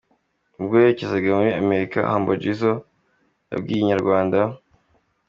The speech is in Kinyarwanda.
Ubwo yerekezaga muri Amerika Humble Jizzo yabwiye Inyarwanda.